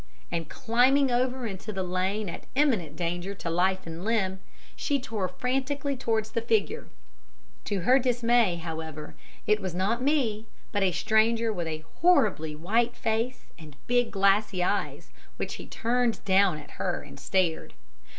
and climbing over into the lane at imminent danger to life and limb, she tore frantically towards the figure. To her dismay, however, it was not me, but a stranger with a horribly white face and big glassy eyes which he turned down at her and stared.